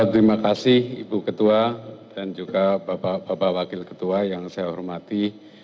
terima kasih ibu ketua dan juga bapak wakil ketua yang saya hormati